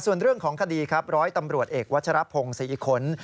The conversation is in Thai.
ส่วนเรื่องของคดีครับร้อยตำรวจเอกวัชรพงศรีขน